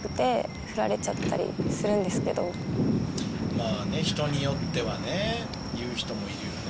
まあね人によってはね言う人もいるよね。